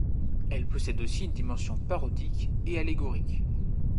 Elle possède aussi une dimension parodique et allégorique.